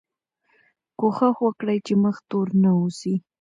کوښښ وکړئ چې مخ تور نه اوسئ.